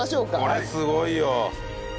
これすごいよ！